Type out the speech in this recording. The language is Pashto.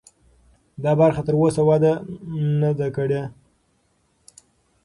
دا برخه تراوسه وده نه ده کړې.